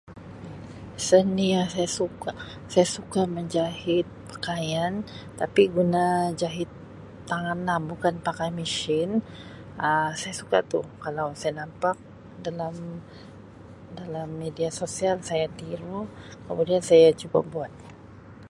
Seni yang saya suka, saya suka menjahit pakaian tapi guna jahit tangan lah bukan pakai machine Um saya suka tu kalau saya nampak dalam-dalam media sosial saya tiru kemudian saya cuba buat.